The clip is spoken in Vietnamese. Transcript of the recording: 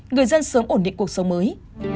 người dân sớm ổn định cuộc sống mới